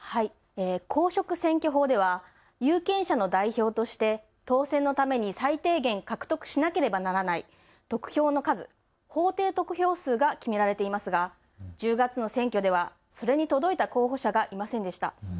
公職選挙法では有権者の代表として当選のために最低限獲得しなければならない得票の数、法定得票数が決められていますが１０月の選挙では、それに届いた候補者がいませんでした。